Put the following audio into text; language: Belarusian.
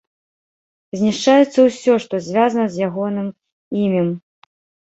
Знішчаецца ўсё, што звязана з ягоным імем.